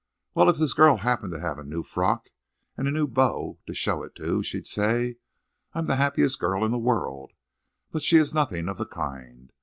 Well, if this girl happened to have a new frock, and a new beau to show it to, she'd say, 'I'm the happiest girl in the world.' But she is nothing of the kind.